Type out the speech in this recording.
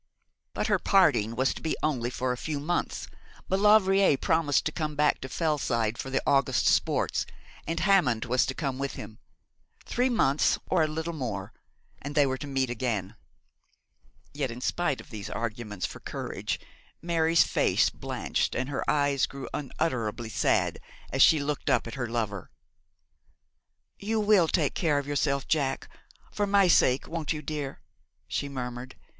But her parting was to be only for a few months. Maulevrier promised to come back to Fellside for the August sports, and Hammond was to come with him. Three months or a little more and they were to meet again. Yet in spite of these arguments for courage, Mary's face blanched and her eyes grew unutterably sad as she looked up at her lover. 'You will take care of yourself, Jack, for my sake, won't you, dear?' she murmured.